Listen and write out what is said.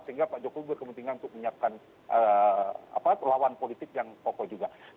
sehingga pak jokowi berkepentingan untuk menyiapkan lawan politik yang pokok juga